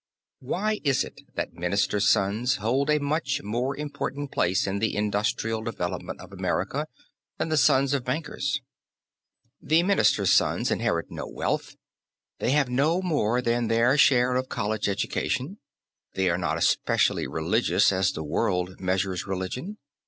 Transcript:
Why is it that ministers' sons hold a much more important place in the industrial development of America than the sons of bankers? The ministers' sons inherit no wealth, they have no more than their share of college education; they are not especially religious as the world measures religion.